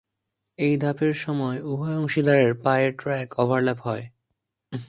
এই ধাপের সময় উভয় অংশীদারের পায়ের ট্র্যাক ওভারল্যাপ হয়।